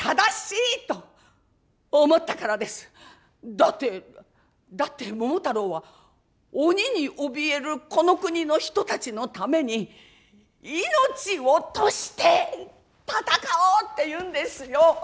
だってだって桃太郎は鬼におびえるこの国の人たちのために命を賭して戦おうっていうんですよ。